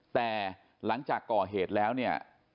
แต่หลังจากก่อเหตุแล้วเนี่ย